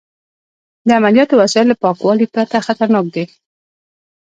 د عملیاتو وسایل له پاکوالي پرته خطرناک دي.